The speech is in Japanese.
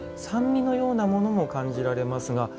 酸味のようなものも感じられますが